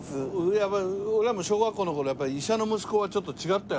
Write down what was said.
俺らも小学校の頃やっぱり医者の息子はちょっと違ってたよ